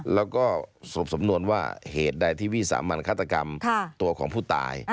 แล้วก็สรุปสำนวนว่าเหตุใดที่วิสามันฆาตกรรมตัวของผู้ตาย